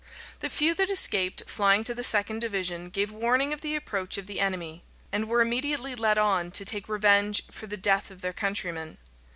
The few that escaped, flying to the second division, gave warning of the approach of the enemy: the soldiers ran to their arms; and were immediately led on to take revenge for the death of their countrymen.